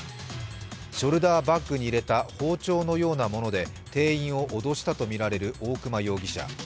ショルダーバッグに入れた包丁のようなもので店員を脅したとみられる大熊容疑者。